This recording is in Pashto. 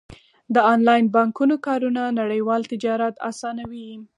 د انلاین بانکونو کارونه نړیوال تجارت اسانوي.